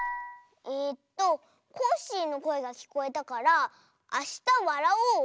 えっとコッシーのこえがきこえたから「あしたわらおう」？